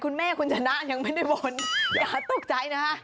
คุณแม่คุณชนะยังไม่ได้บ่นอย่าตกใจนะคะ